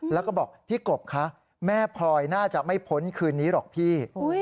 แล้วก็บอกพี่กบคะแม่พลอยน่าจะไม่พ้นคืนนี้หรอกพี่